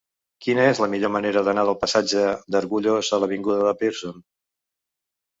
Quina és la millor manera d'anar del passatge d'Argullós a l'avinguda de Pearson?